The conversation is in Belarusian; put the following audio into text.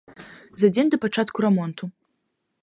За дзень да пачатку рамонту.